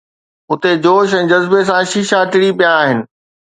اُتي جوش ۽ جذبي سان شيشا ٽڙي پيا آهن